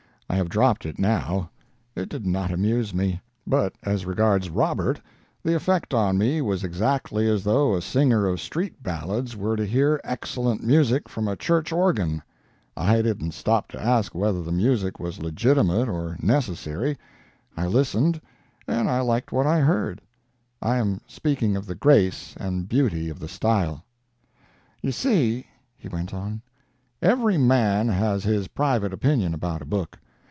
I have dropped it now; it did not amuse me. But as regards Robert, the effect on me was exactly as though a singer of street ballads were to hear excellent music from a church organ. I didn't stop to ask whether the music was legitimate or necessary. I listened, and I liked what I heard. I am speaking of the grace and beauty of the style." "You see," he went on, "every man has his private opinion about a book.